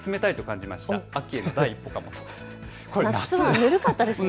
夏はぬるかったですもんね。